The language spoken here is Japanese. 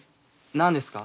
何ですか？